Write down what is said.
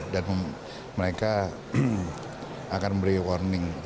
dan mereka akan memberi warning